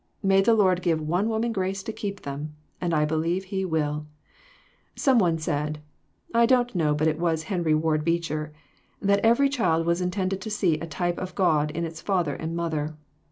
May the Lord give one woman grace to keep them, and I believe He will. Some one said I don't know but it was Henry Ward Beecher that every child was intended to see a type of God in its father and mother.